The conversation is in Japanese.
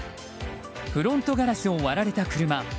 フロントガラスを割られた車。